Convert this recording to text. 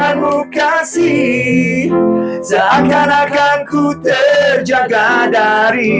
harap bunyi asemen tanggal karena tengah hari